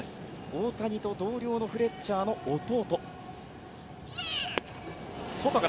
大谷と同僚のフレッチャーの弟。